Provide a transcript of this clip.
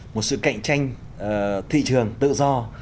một sự cạnh tranh thị trường tự do